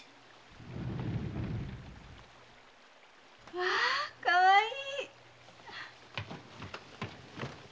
・わかわいい。